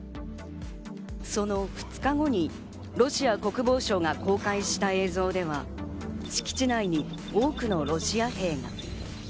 その２日後にロシア国防省が公開した映像では、敷地内に多くのロシア兵が。